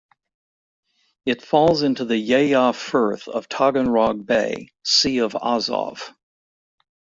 It falls into the Yeya Firth of Taganrog Bay, Sea of Azov.